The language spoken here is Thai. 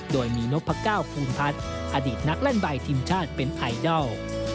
โดยมีนพก้าวภูลพัฒน์อดีตนักเล่นใบทีมชาติเป็นไอดอล